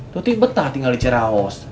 tuti betah tinggal di cerahos